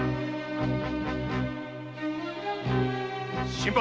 新八。